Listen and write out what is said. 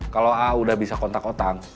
kalo aa udah bisa kontak otang